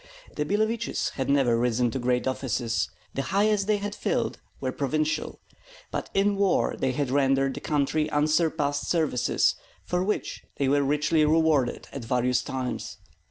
The Billeviches had never risen to great offices, the highest they had filled were provincial; but in war they had rendered the country unsurpassed services, for which they were richly rewarded at various times.